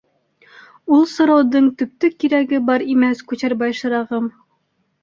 — Ул сораудың төптө кирәге бар имәс, Күчәрбай шырағым.